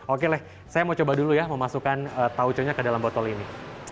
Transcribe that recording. oke lah saya mau coba dulu ya memasukkan tauconya ke dalam botol ini